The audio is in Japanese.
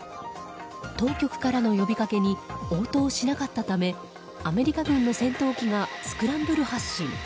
当局からの呼びかけに応答しなかったためアメリカ軍の戦闘機がスクランブル発進。